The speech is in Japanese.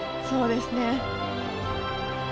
そうですね。